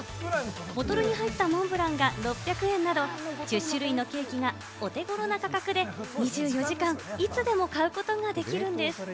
ボトルに入ったモンブランが６００円など、１０種類のケーキがお手ごろな価格で２４時間いつでも買うことができるんです。